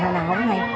hồi nào không nghe